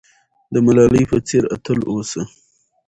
د ملالۍ په څېر اتل اوسه.